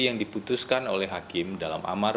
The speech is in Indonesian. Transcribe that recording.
yang diputuskan oleh hakim dalam amar